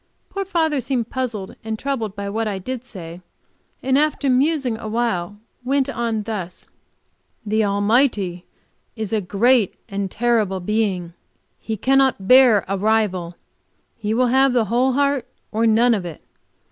Poor father seemed puzzled and troubled by what I did say, and after musing a while, went on thus: "The Almighty is a great and terrible Being. He cannot bear a rival; He will have the whole heart or none of it.